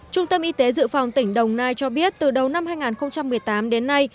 trung tâm y tế dự phòng tỉnh đồng nai cho biết từ đầu năm hai nghìn một mươi tám đến nay